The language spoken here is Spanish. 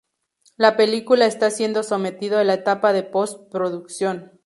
La película está siendo sometido a la etapa de post-producción.